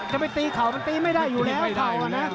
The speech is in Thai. ถ้าไปตีเข่ามันตีไม่ได้อยู่แล้ว